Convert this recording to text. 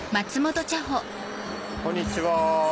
こんにちは。